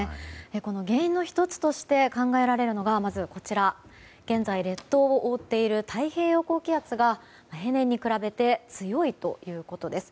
この原因の１つとして考えられるのが現在、列島を覆っている太平洋高気圧が例年に比べて強いということです。